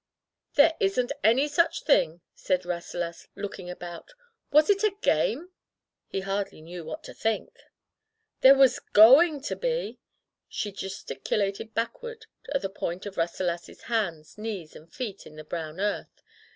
"There isn't any such thing,'* said Ras selas, looking about. Was it a game? He hardly knew what to think. "There was going to be!" She gesticulated backward at the print of Rasselas's hands, knees, and feet in the brown earth.